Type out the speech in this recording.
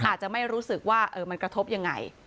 อาจจะไม่รู้สึกว่ามันกระทบยังไง